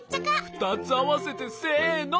ふたつあわせてせの。